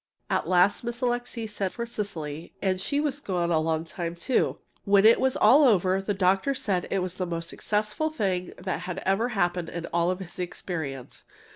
At last Miss Alixe sent for Cecily, and she was gone a long time, too. When it was all over, the doctor said it was the most successful thing that had ever happened in all his experience.